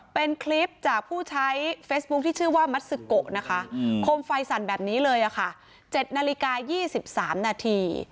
เป็นคลิปจากผู้ใช้เฟซบุ๊คที่ชื่อว่ามัสซิโกนะคะโคมไฟสั่นแบบนี้เลยค่ะ๗นาฬิกา๒๓นาที